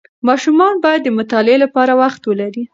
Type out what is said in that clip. ماشومان باید د مطالعې لپاره وخت ولري.